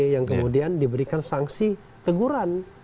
yang kemudian diberikan sanksi teguran